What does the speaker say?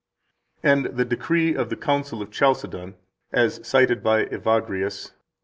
8 And the decree of the Council of Chalcedon, as cited by Evagrius, lib.